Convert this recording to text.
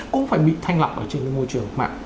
cũng phải bị thanh lọc ở trên môi trường mạng